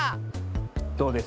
どうです？